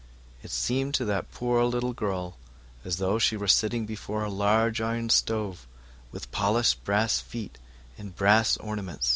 It seemed to the little girl that she was sitting by a large iron stove, with polished brass feet and a brass ornament.